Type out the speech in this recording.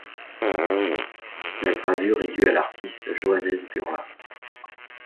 La gravure est due à l'artiste Johannes Burla.